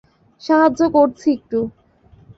সাহায্য করছি একটু।